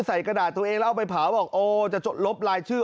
ใส่กระดาษตัวเองแล้วเอาไปเผาว่าจะจดลบลายชื่อ